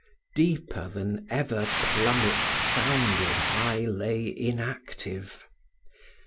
"Deeper than ever plummet sounded," I lay inactive.